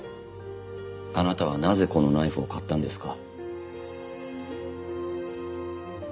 あなたはなぜこのナイフを買ったんですか？